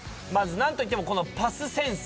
なんと言ってもこのパスセンス。